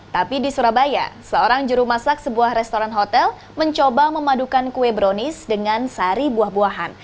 tapi di surabaya seorang juru masak sebuah restoran hotel mencoba memadukan kue brownies dengan sari buah buahan